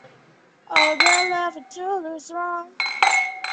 卢德维格斯塔特是德国巴伐利亚州的一个市镇。